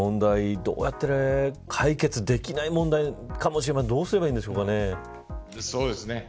どうやって解決できない問題かもしれませんがどうすればいいんでしょうかね。